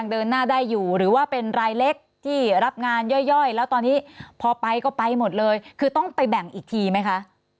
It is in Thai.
แล้วตอนนี้พอไปก็ไปหมดเลยคือต้องไปแบ่งอีกทีไหมคะ